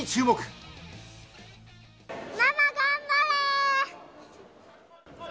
ママ頑張れ！